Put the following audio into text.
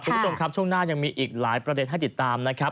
คุณผู้ชมครับช่วงหน้ายังมีอีกหลายประเด็นให้ติดตามนะครับ